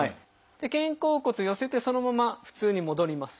肩甲骨寄せてそのまま普通に戻ります。